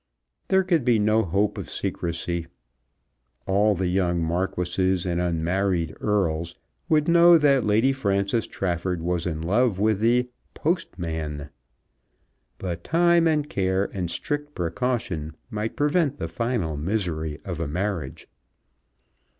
There could be no hope of secrecy. All the young marquises and unmarried earls would know that Lady Frances Trafford was in love with the "postman." But time, and care, and strict precaution might prevent the final misery of a marriage.